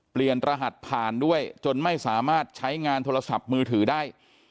รหัสผ่านด้วยจนไม่สามารถใช้งานโทรศัพท์มือถือได้